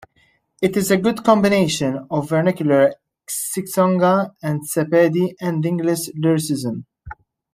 It is a good combination of vernacular Xitsonga and Sepedi and English lyricism.